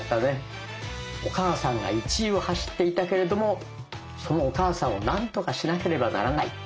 お母さんが１位を走っていたけれどもそのお母さんを何とかしなければならない。